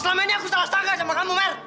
selama ini aku salah sangka sama kamu mer